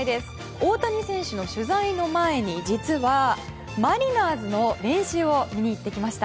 大谷選手の取材の前に、実はマリナーズの練習を見に行ってきました。